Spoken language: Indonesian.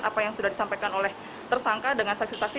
apa yang sudah disampaikan oleh tersangka dengan saksi saksi